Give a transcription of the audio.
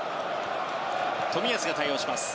冨安が対応します。